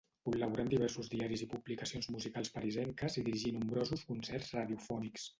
Col·laborà en diversos diaris i publicacions musicals parisenques i dirigí nombrosos concerts radiofònics.